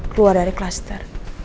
keluar dari kluster